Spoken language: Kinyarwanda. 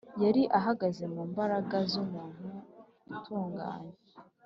. Yari ahagaze mu mbaraga z’umuntu utunganye,